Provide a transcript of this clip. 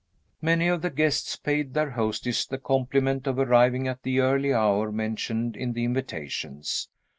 Many of the guests paid their hostess the compliment of arriving at the early hour mentioned in the invitations.